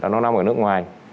nó nằm ở nước ngoài